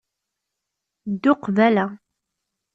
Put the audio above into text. Ddu qbala